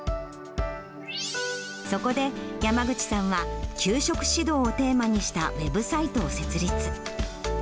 そこで、山口さんは給食指導をテーマにしたウェブサイトを設立。